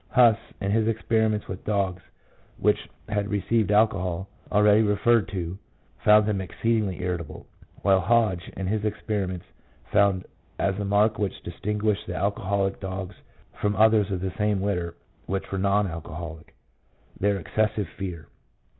Huss, in his experiments with dogs which had received alcohol, already referred to, found them exceedingly irritable; while Hodge, in his experi ments, found as a mark which distinguished the alcoholic dogs from others of the same litter which were non alcoholic, their excessive fear.